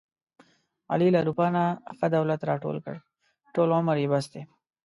علي له اروپا نه ښه دولت راټول کړ، ټول عمر یې بس دی.